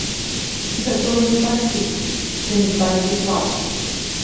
За тое не пайшлі, што ім збавілі плату.